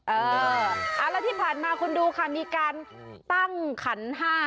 เออที่ผ่านมาคุณดูค่ะมีการตั้งคัน๕